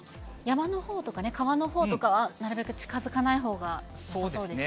山のほうとか川のほうとかは、なるべく近づかないほうがよさそうですね。